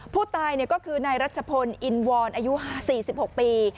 ผู้ตายก็คือนายรัชพลอินวรอายุ๔๖ปี